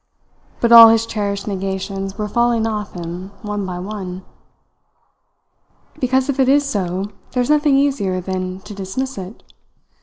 But all his cherished negations were falling off him one by one. "Because if it is so there is nothing easier than to dismiss it.